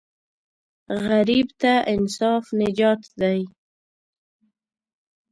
غریب ته انصاف نجات دی